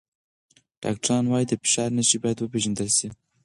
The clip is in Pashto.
ډاکټران وايي د فشار نښې باید وپیژندل شي.